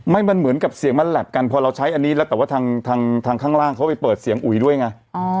ไม่มันเหมือนกับเสียงมันแหลบกันพอเราใช้อันนี้แล้วแต่ว่าทางทางข้างล่างเขาไปเปิดเสียงอุ๋ยด้วยไง